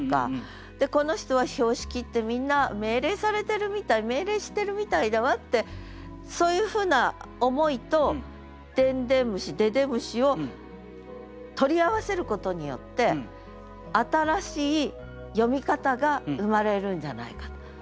この人は標識ってみんな命令されてるみたい命令してるみたいだわってそういうふうな思いとでんでんむし「でで虫」を取り合わせることによって新しい詠み方が生まれるんじゃないか。